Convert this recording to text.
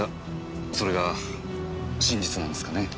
それが真実なんですかね。